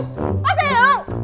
bác phải hiểu